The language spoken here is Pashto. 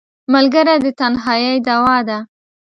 ملګری د تنهایۍ دواء ده